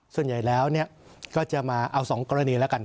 ส่วนใหญ่แล้วก็จะมาเอา๒กรณีแล้วกัน